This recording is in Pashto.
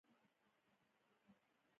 د پلانک سټار ممکن وي.